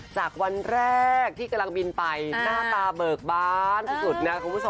จากวันแรกที่กำลังบินไปหน้าตาเบอร์บานที่สุดนะครับ